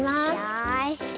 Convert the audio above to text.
よし。